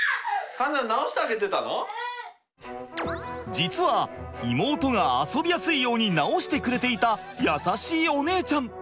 実は妹が遊びやすいように直してくれていた優しいお姉ちゃん！